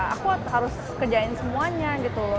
aku harus kerjain semuanya gitu